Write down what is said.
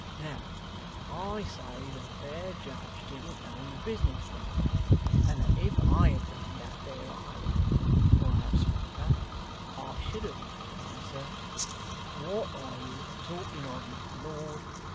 Now, I say that there judge didn't know his business, brother; and that if I had been that there highwayman or housebreaker, I should have made answer: "What are you a talking of, my lord?